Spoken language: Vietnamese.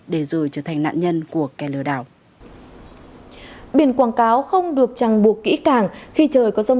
để giúp đỡ các chủ đừng vội cả tin